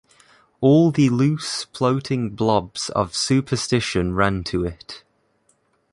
All the loose floating blobs of superstition ran to it.